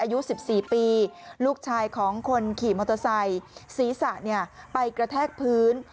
อายุ๑๔ปีลูกชายของคนขี่มอเตอร์ไซค์ศีรษะไปกระแทกพื้น